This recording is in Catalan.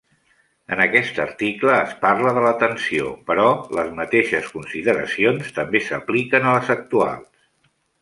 En aquest article es parla de la tensió, però, les mateixes consideracions també s'apliquen a les actuals.